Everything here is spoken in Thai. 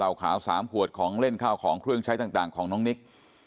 ขาว๓ขวดของเล่นข้าวของเครื่องใช้ต่างของน้องนิก